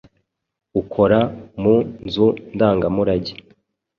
ukora mu nzu ndangamurage